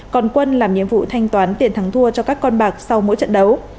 còn quân làm nhiệm vụ thanh toán tiền thắng thua cho các con bạc sau mỗi trận đấu